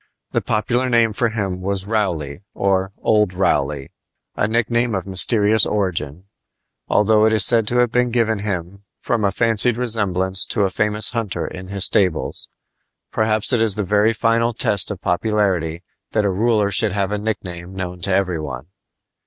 The popular name for him was "Rowley," or "Old Rowley" a nickname of mysterious origin, though it is said to have been given him from a fancied resemblance to a famous hunter in his stables. Perhaps it is the very final test of popularity that a ruler should have a nickname known to every one.